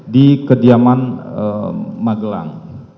di kediaman magelang